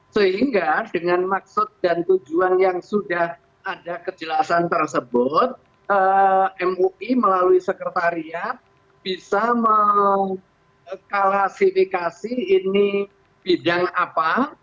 sehingga dengan maksud dan tujuan yang sudah ada kejelasan tersebut mui melalui sekretariat bisa mengklasifikasi ini bidang apa